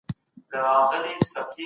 دوی غواړي چي نور خلګ ورته کار وکړي.